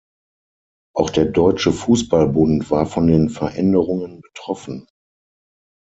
Auch der Deutsche Fußball-Bund war von den Veränderungen betroffen.